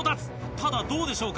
ただどうでしょうか？